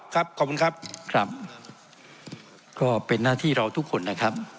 ขอบคุณครับครับก็เป็นหน้าที่เราทุกคนนะครับ